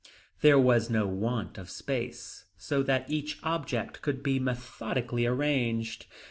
There was no want of space, so that each object could be methodically arranged.